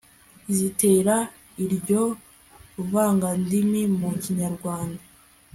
zitera iryo vangandimi mu kinyarwanda